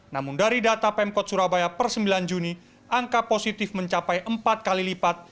namun dari data pemkot surabaya per sembilan juni angka positif mencapai empat kali lipat